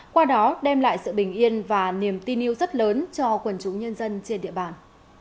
qua đó đem lại sự bình yên và niềm tin yêu rất lớn cho quần chúng nhân dân trên địa bàn